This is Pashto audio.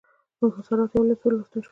انحصاراتو یو لېست ولوستل شو.